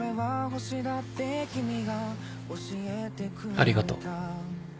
ありがとう。